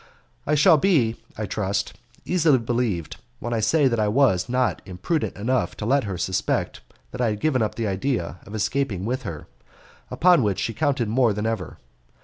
I shall be, I trust, easily believed when I say that I was not imprudent enough to let her suspect that I had given up the idea of escaping with her, upon which she counted more than ever.